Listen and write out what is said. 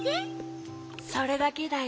・それだけだよ。